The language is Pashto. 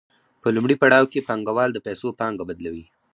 په لومړي پړاو کې پانګوال د پیسو پانګه بدلوي